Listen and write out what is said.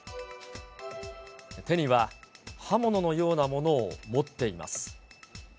手には刃物のような物を持っています。